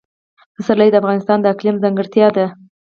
پسرلی د افغانستان د اقلیم ځانګړتیا ده.